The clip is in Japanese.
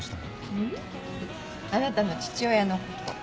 うん？あなたの父親のこと。